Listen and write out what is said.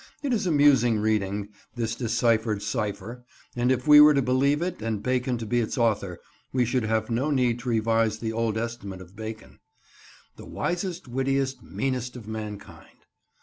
It is amusing reading, this deciphered cipher, and if we were to believe it and Bacon to be its author, we should have no need to revise the old estimate of Bacon, "The wisest, wittiest, meanest of mankind."